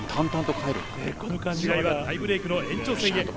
試合はタイブレークの延長戦へ。